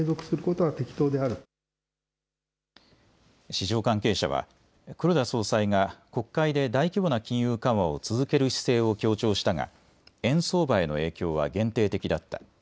市場関係者は黒田総裁が国会で大規模な金融緩和を続ける姿勢を強調したが円相場への影響は限定的だった。